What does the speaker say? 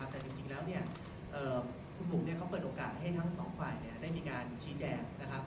แต่จริงแล้วเนี่ยคุณบุ๋มเขาเปิดโอกาสให้ทั้งสองฝ่ายได้มีการชี้แจงนะครับ